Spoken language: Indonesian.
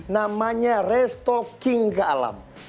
namanya restocking ke alam